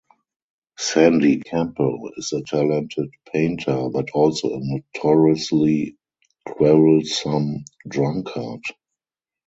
Sandy Campbell is a talented painter, but also a notoriously quarrelsome drunkard.